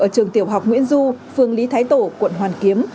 trường tiểu học nguyễn du phương lý thái tổ quận hoàn kiếm